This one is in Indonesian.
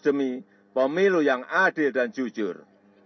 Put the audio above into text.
demi pemilu yang adil dan jujur